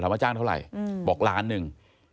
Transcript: ว่าจ้างเท่าไหร่บอกล้านหนึ่ง